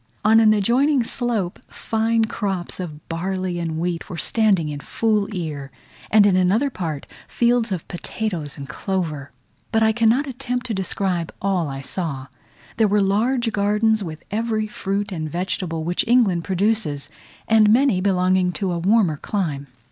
On an adjoining slope, fine crops of barley and wheat were standing in full ear; and in another part, fields of potatoes and clover. But I cannot attempt to describe all I saw; there were large gardens, with every fruit and vegetable which England produces; and many belonging to a warmer clime.